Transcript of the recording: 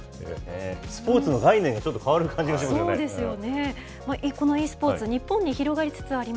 スポーツの概念が、ちょっと変わる感じがしますよね。